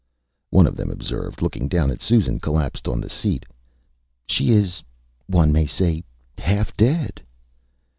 Â One of them observed, looking down at Susan collapsed on the seat: ÂShe is one may say half dead.